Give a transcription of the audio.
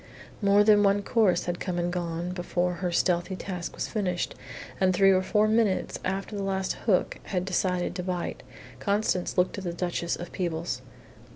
More than one course had come and gone before her stealthy task was finished, and three or four minutes after the last hook had decided to bite, Constance looked at the Duchess of Peebles.